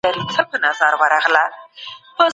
اسلام د توازن دین دی.